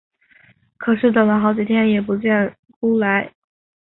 可是等了好几天也不见辜来。